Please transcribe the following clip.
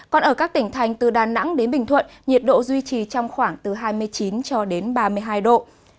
còn ở các tỉnh thành từ đà nẵng đến bình thuận nhiệt độ duy trì trong khoảng từ hai mươi chín cho đến ba mươi hai độ